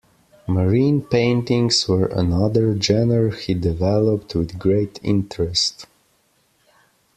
Marine paintings were another genre he developed with great interest.